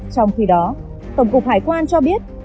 trong khi đó tổng cục hải quan cho biết